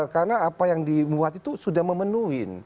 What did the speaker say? karena apa yang dibuat itu sudah memenuhi